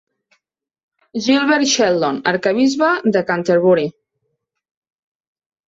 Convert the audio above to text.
Gilbert Sheldon, arquebisbe de Canterbury.